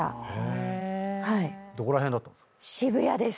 どこら辺だったんすか？